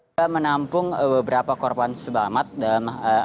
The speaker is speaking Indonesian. ya di rumah sakit guntur juga menampung beberapa korban selamat dalam hal ini